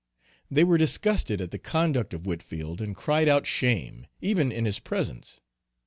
They were disgusted at the conduct of Whitfield and cried out shame, even in his presence.